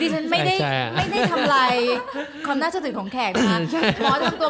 ดิฉันไม่ได้ทำไรความน่าเชื่อถือของแขกนะฮะ